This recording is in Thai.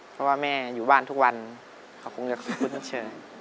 เพราะว่าแม่อยู่บ้านทุกวันเขาคงอยากขอบคุณทุกเชิญ